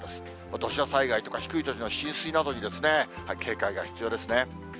土砂災害とか低い土地の浸水などにですね、警戒が必要ですね。